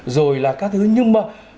rồi là các thứ nhưng mà